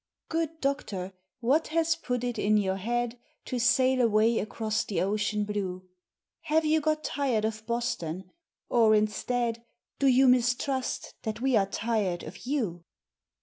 Good Doctor, what has put it in your head To sail away across the ocean blue? Have you got tired of Boston? or, instead, Do you mistrust that we are tired of you?